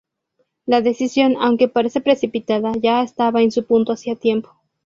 La decisión, aunque parece precipitada, ya estaba en su punto hacía tiempo.